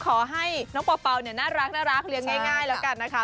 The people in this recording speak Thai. ขอให้น้องเป่าเนี่ยน่ารักเลี้ยงง่ายแล้วกันนะคะ